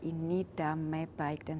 ini damai baik dan